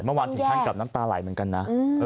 ตำหนิตอว่าทีทางการน้ำตาไหลเหมือนกันนะ